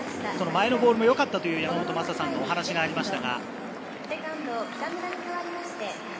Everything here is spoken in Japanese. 前のボールもよかったという山本昌さんのお話がありました。